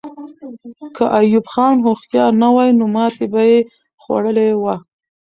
که ایوب خان هوښیار نه وای، نو ماتې به یې خوړلې وه.